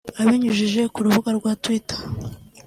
Abinyujije ku rubuga rwa Twitter